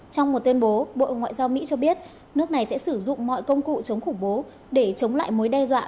trong một tuyên bố bộ ngoại giao mỹ cho biết nước này sẽ sử dụng mọi công cụ chống khủng bố để chống lại mối đe dọa